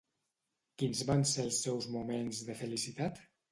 Quins van ser els seus moments de felicitat?